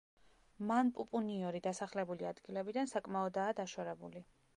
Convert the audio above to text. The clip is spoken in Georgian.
მანპუპუნიორი დასახლებული ადგილებიდან საკმაოდაა დაშორებული.